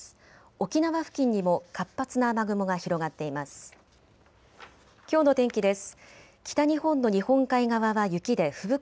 沖縄付近にも活発な雨雲が広がっています。